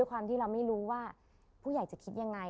ว่าผู้ใหญ่จะคิดยังไง